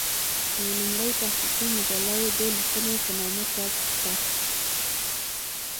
او لومړۍ تحقيقي مجله يې د "ليکنې" په نامه چاپ کړه